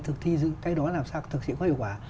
thực thi cái đó làm sao thực sự có hiệu quả